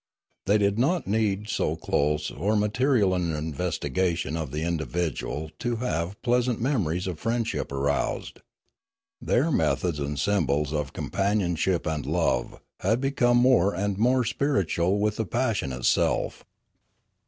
They did not need so close or ma terial an investigation of the individual to have pleasant memories of friendship aroused. Their methods and symbols of companionship and love had become more and more spiritual with the passion itself.